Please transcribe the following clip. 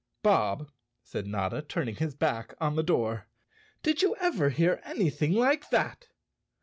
"Bob," said Notta, turning his back on the door, "did you ever hear anything like that?